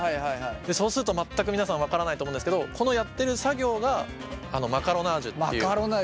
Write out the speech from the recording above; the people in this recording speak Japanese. そうすると全く皆さん分からないと思うんですけどこのやってる作業がこの作業をマカロナージュっていうんだ。